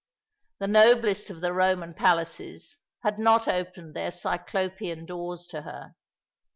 The noblest of the Roman palaces had not opened their Cyclopean doors to her.